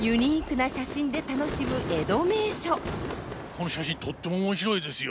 この写真とっても面白いですよ！